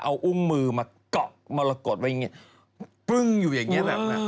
เอาอุ้งมือมาเกาะมรกฏไว้อย่างนี้ปึ้งอยู่อย่างเงี้แบบนั้น